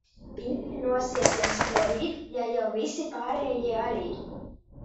Pievienosieties, Floid, ja jau visi pārējie arī?